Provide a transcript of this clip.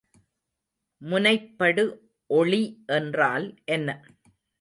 முனைப்படுஒளி என்றால் என்ன?